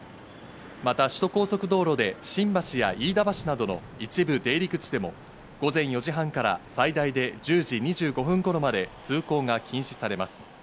また首都高速道路で新橋や飯田橋などの一部出入り口でも午前４時半から最大で１０時２５分頃まで通行が禁止されます。